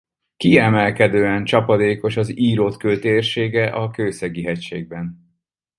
Kiemelkedően csapadékos az Írott-kő térsége a Kőszegi-hegységben.